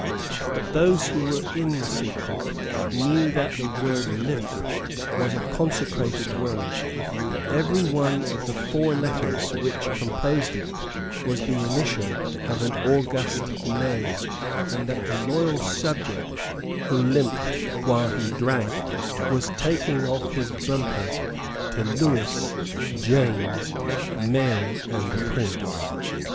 But, those who were in the secret knew that the word Limp was a consecrated word, that every one of the four letters which composed it was the initial of an august name, and that the loyal subject who limped while he drank was taking off his bumper to Lewis, James, Mary, and the Prince.